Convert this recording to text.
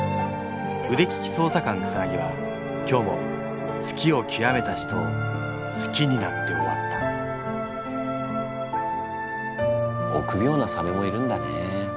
腕利き捜査官草は今日も好きをきわめた人を好きになって終わった臆病なサメもいるんだね。